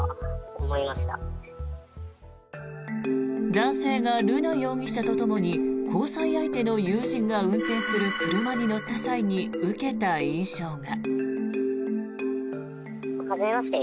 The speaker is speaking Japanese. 男性が瑠奈容疑者とともに交際相手の友人が運転する車に乗った際に受けた印象が。